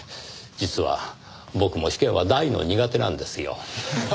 実は僕も試験は大の苦手なんですよ。